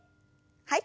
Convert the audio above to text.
はい。